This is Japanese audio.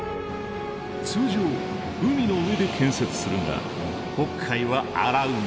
通常海の上で建設するが北海は荒海。